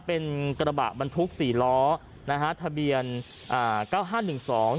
เป็นกระบะบรรทุกสี่ล้อนะฮะทะเบียนอ่าเก้าห้าหนึ่งสอง